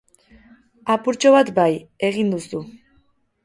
Apurtxo bat bai, egin duzu.